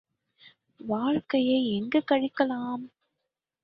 வாழ்க்கையை எங்கு கழிக்கலாம்!